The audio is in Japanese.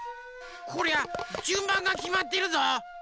こりゃじゅんばんがきまってるぞ。